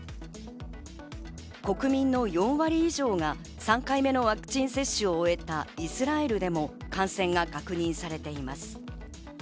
国民の４割以上が３回目のワクチン接種を終えたイスラエルでも感染が確認されています。